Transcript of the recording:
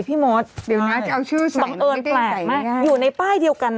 พี่มดเดี๋ยวนะจะเอาชื่อบังเอิญแปลกมากอยู่ในป้ายเดียวกัน